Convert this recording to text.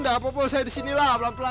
apa apa saya disinilah pelan pelan